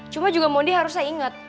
cuma juga mondi harusnya ingat